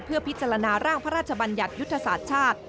เพื่อพิจารณาร่างพระราชบัญญัติยุทธศาสตร์ชาติ